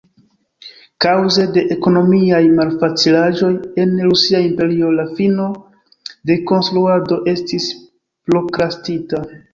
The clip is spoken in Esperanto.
Kaŭze de ekonomiaj malfacilaĵoj en Rusia Imperio la fino de konstruado estis prokrastita.